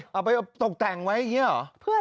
เอาไปตกแต่งไว้อย่างนี้เหรอ